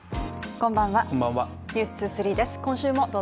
こんばんは